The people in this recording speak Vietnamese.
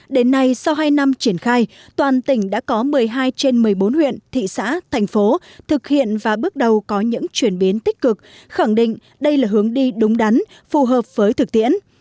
đến nay sau hai năm triển khai toàn tỉnh đã có một mươi hai trên một mươi bốn huyện thị xã thành phố thực hiện và bước đầu có những chuyển biến tích cực khẳng định đây là hướng đi đúng đắn phù hợp với thực tiễn